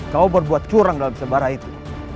kau berbuat curang dalam sebara itu